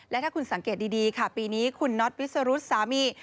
และถ้าคุณสังเกตดีค่ะปีนี้คุณน็อตวิสรุธสามี